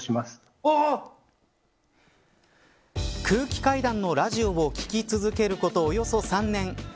空気階段のラジオを聴き続けることおよそ３年。